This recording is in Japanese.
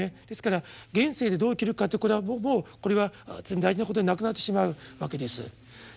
ですから現世でどう生きるかってこれはもうこれは大事なことでなくなってしまうわけです。